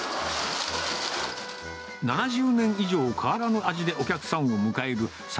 ７０年以上変わらぬ味でお客さんを迎える幸